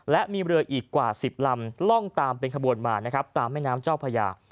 และมีเรืออีกกว่า๑๐ลำล่องตามเป็นขบวนมานะครับตามแม่น้ำเจ้าพญา